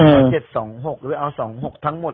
ขอบคุณทุกคน